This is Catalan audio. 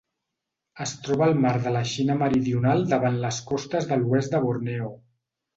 Es troba al mar de la Xina Meridional davant les costes de l'oest de Borneo.